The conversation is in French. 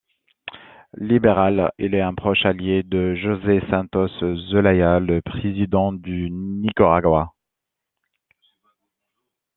Libéral, il est un proche allié de José Santos Zelaya, le président du Nicaragua.